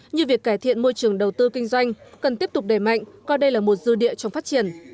như việc cải thiện môi trường đầu tư kinh doanh cần tiếp tục đẩy mạnh coi đây là một dư địa trong phát triển